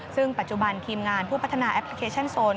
ซึ่งปัจจุบันทีมงานผู้พัฒนาแอปพลิเคชันโซน